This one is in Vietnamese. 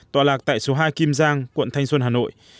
tòa lạc tại số hai kim giang quận thanh xuân hà nội